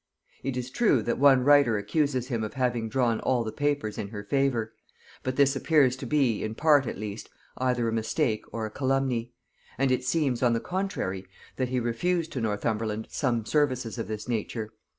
It is true that one writer accuses him of having drawn all the papers in her favor: but this appears to be, in part at least, either a mistake or a calumny; and it seems, on the contrary, that he refused to Northumberland some services of this nature.